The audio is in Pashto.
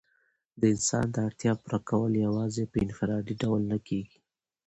د انسان د اړتیا پوره کول یوازي په انفرادي ډول نه کيږي.